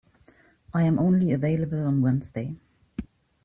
I am only available on Wednesday.